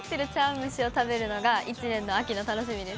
蒸しを食べるのが１年の秋の楽しみです。